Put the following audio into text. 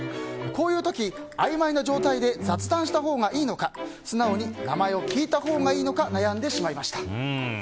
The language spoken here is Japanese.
こういう時、あいまいな状態で雑談したほうがいいのか素直に名前を聞いたほうがいいのか悩んでしまいました。